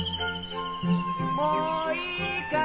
もういいかい？